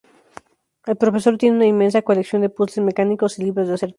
El profesor tiene una inmensa colección de puzles mecánicos y libros de acertijos.